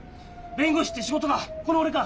弁護士って仕事か？